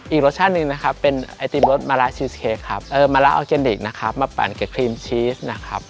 อีกรสชาติหนึ่งนะครับเป็นไอติมรสมะระชีสเค้กครับมะละออร์แกนิคนะครับมาปั่นกับครีมชีสนะครับ